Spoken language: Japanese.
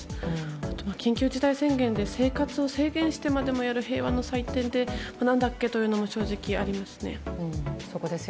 あとは緊急事態宣言で生活を制限してまでもやる平和の祭典もなんだっけというのもそこですよね。